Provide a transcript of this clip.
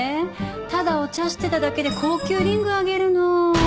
ただお茶してただけで高級リングあげるの。